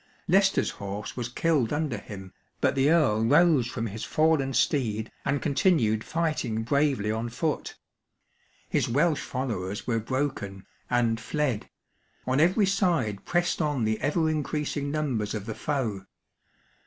Leicester's horse was killed under him, but the Earl rose from his fallen steed, and continued fighting bravely on foot. His Welsh followers were broken, and fled \ on every side pressed on the ever increasing numbers of the foe.